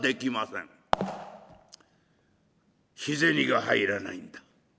日銭が入らないんだ。